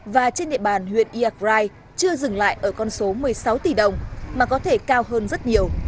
và trên địa bàn huyện iagrai chưa dừng lại ở con số một mươi sáu tỷ đồng mà có thể cao hơn rất nhiều